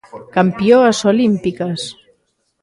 Campioas olímpicas.